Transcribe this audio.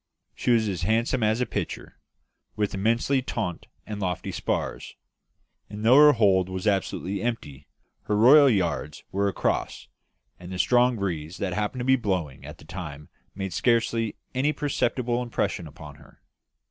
She was as handsome as a picture; with immensely taunt and lofty spars; and though her hold was absolutely empty, her royal yards were across, and the strong breeze that happened to be blowing at the time made scarcely any perceptible impression upon her.